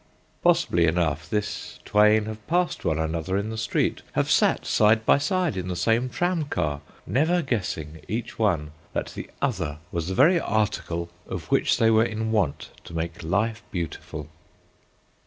Possibly enough this twain have passed one another in the street, have sat side by side in the same tram car, never guessing, each one, that the other was the very article of which they were in want to make life beautiful.